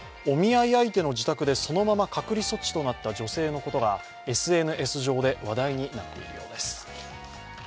お見合い相手の自宅でそのまま隔離措置となった女性のことがＳＮＳ上で話題になっているようです。